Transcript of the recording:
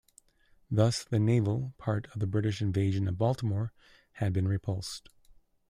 Thus the naval part of the British invasion of Baltimore had been repulsed.